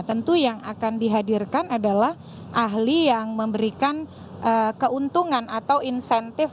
tentu yang akan dihadirkan adalah ahli yang memberikan keuntungan atau insentif